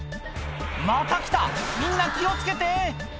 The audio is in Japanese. また来た、みんな気をつけて。